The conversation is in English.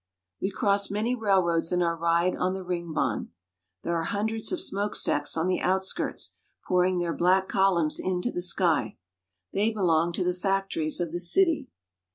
We cross many railroads in our ride on the Ringbahn. There are hundreds of smokestacks on the outskirts, pour ing their black columns into the sky. They belong to the factories of the city.